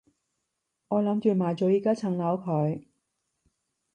我諗住賣咗依加層樓佢